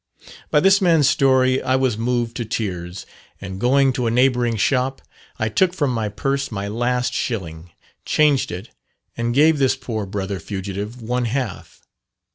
By this man's story, I was moved to tears; and going to a neighbouring shop, I took from my purse my last shilling, changed it, and gave this poor brother fugitive one half.